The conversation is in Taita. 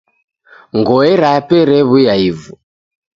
Ngoe rape rew'uya uvu.